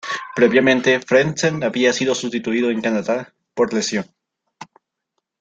Previamente, Frentzen había sido sustituido en Canadá por lesión.